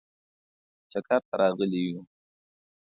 چکر ته راغلي یو.